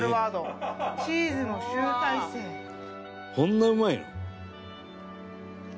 「そんなうまいの？」